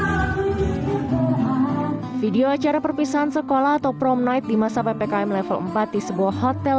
hai video acara perpisahan sekolah atau prom night di masa ppkm level empat di sebuah hotel